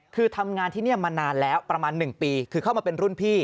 คือทำงานที่นี่มานานแล้วประมาณ๑ปีคือเข้ามาเป็นรุ่นพี่